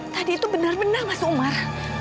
tadi itu benar benar mas umar